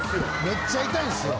めっちゃ痛いんですよ。